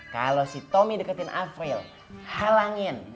kalau si tommy deketin afril halangin